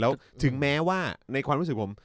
แล้วถึงแม้ว่าในความรู้สึกผม